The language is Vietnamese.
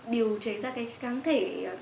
điều chế ra cái kháng thể